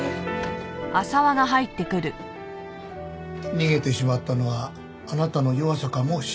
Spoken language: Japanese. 逃げてしまったのはあなたの弱さかもしれません。